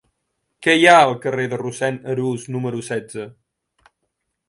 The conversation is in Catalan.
Què hi ha al carrer de Rossend Arús número setze?